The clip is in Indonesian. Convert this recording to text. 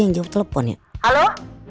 yang jawab teleponnya halo